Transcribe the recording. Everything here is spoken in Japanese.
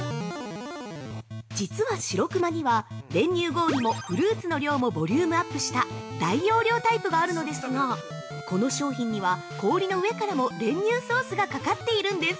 ◆実は白熊には、練乳氷もフルーツの量もボリュームアップした大容量タイプがあるのですが、この商品には氷の上からも練乳ソースがかかっているんです。